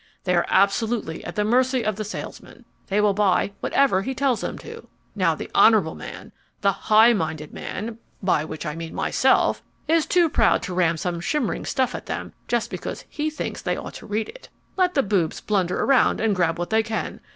They are absolutely at the mercy of the salesman. They will buy whatever he tells them to. Now the honourable man, the high minded man (by which I mean myself) is too proud to ram some shimmering stuff at them just because he thinks they ought to read it. Let the boobs blunder around and grab what they can.